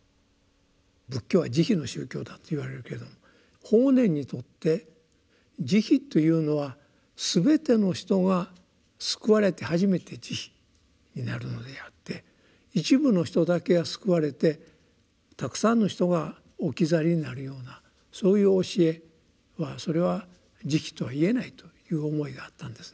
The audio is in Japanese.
仏教は慈悲の宗教だと言われるけれど法然にとって慈悲というのは全ての人が救われて初めて慈悲になるのであって一部の人だけが救われてたくさんの人が置き去りになるようなそういう教えはそれは慈悲とはいえないという思いがあったんですね。